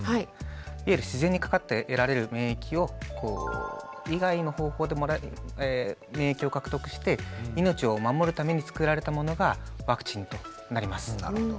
いわゆる自然にかかって得られる免疫をそれ以外の方法で免疫を獲得して命を守るために作られたものがワクチンとなります。